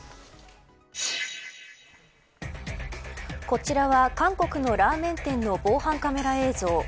こちらは、韓国のラーメン店の防犯カメラ映像。